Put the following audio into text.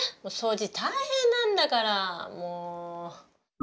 掃除大変なんだからもう。